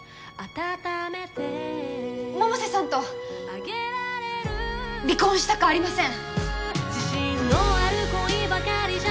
百瀬さんと離婚したくありません